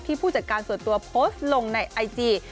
ผู้จัดการส่วนตัวโพสต์ลงในไอจี